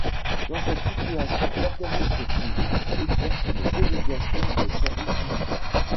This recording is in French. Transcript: Dans cette situation l'organisme privé exerce une délégation de service public.